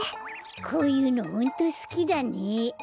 こういうのホントすきだね。